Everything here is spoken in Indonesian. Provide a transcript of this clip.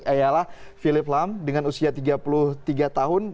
ayalah philip lamp dengan usia tiga puluh tiga tahun